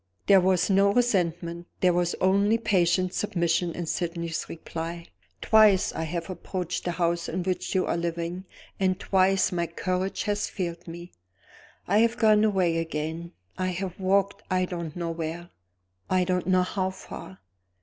There was no resentment there was only patient submission in Sydney's reply. "Twice I have approached the house in which you are living; and twice my courage has failed me. I have gone away again I have walked, I don't know where, I don't know how far.